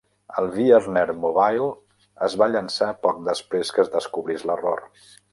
El Wienermobile es va llançar poc després que es descobrís l'error.